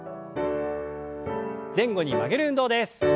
前後に曲げる運動です。